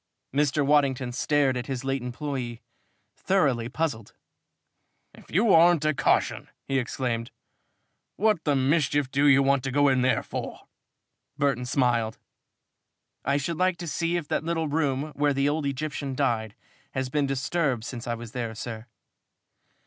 Mr. Waddington stared at his late employee, thoroughly puzzled. "If you aren't a caution!" he exclaimed. "What the mischief do you want to go in there for?" Burton smiled. "I should like to see if that little room where the old Egyptian died has been disturbed since I was there, sir."